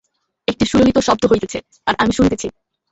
একটি সুললিত শব্দ হইতেছে, আর আমি শুনিতেছি।